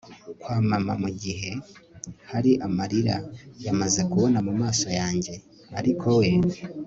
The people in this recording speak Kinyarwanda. kwa mama mugihe hari amarira yamaze kuba mumaso yanjye. ariko we